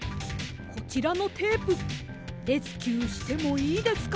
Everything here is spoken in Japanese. こちらのテープレスキューしてもいいですか？